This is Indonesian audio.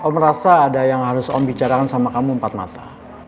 om rasa ada yang harus om bicarakan sama kamu empat mata